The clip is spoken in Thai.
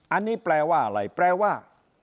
อันนี้แปลว่าอะไรแปลว่า